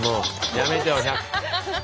やめてよ。